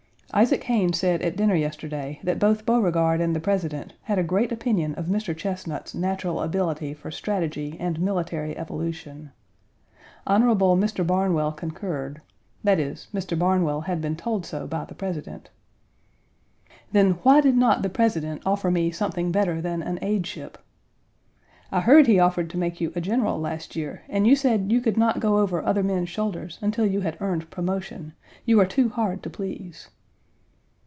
Isaac Hayne said at dinner yesterday that both Beauregard and the President had a great opinion of Mr. Chesnut's natural ability for strategy and military evolution. Hon. Mr. Barnwell concurred; that is, Mr. Barnwell had been told so by the President. "Then why did not the President offer me something better than an aideship?" "I heard he offered to make you a general last year, and you said you could not go over other men's shoulders until you had earned promotion. You are too hard to please."